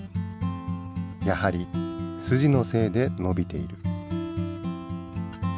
やはりスジのせいでのびている。